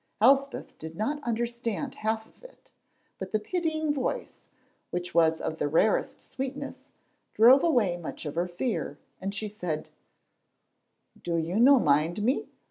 Elspeth did not understand half of it, but the pitying voice, which was of the rarest sweetness, drove away much of her fear, and she said: "Do you no mind me?